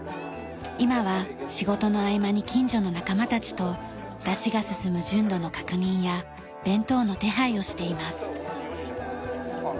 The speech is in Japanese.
今は仕事の合間に近所の仲間たちと山車が進む順路の確認や弁当の手配をしています。